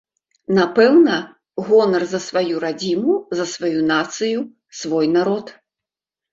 Напэўна, гонар за сваю радзіму, за сваю нацыю, свой народ.